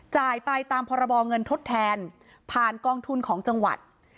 จ่ายไปตามพรบเงินทดแทนผ่านกองทุนของจังหวัด